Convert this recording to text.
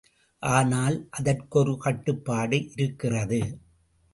ஆனால், அதற்கொரு கட்டுப்பாடு இருக்கிறது.